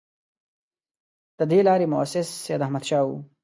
د دې لارې مؤسس سیداحمدشاه وو.